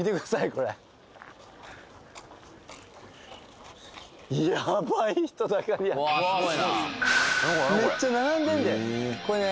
これめっちゃ並んでんでこれね